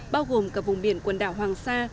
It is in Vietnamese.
bao gồm cả vùng biển quần đảo hoàng sa